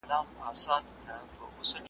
د اهل ذمه څخه جمع سوې جزيه ورکړئ.